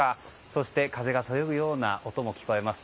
そして、風がそよぐような音も聞こえます。